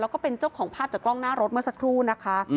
แล้วก็เป็นเจ้าของภาพจากกล้องหน้ารถเมื่อสักครู่นะคะ